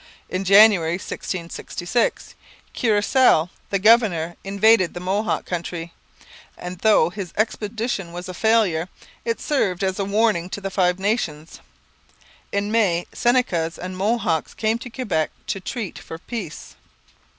In January 1666 Courcelle, the governor, invaded the Mohawk country; and though his expedition was a failure, it served as a warning to the Five Nations. In May Senecas and Mohawks came to Quebec to treat for peace.